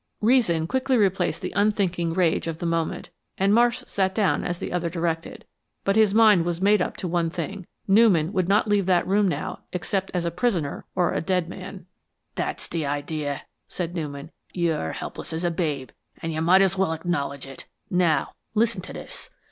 Reason quickly replaced the unthinking rage of the moment, and Marsh sat down as the other directed. But his mind was made up to one thing Newman would not leave that room now except as a prisoner or a dead man. "That's the idea," said Newman. "You're helpless as a babe, and you might as well acknowledge it. Now, listen to this.